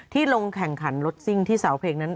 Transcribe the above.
ลงแข่งขันรถซิ่งที่สาวเพลงนั้น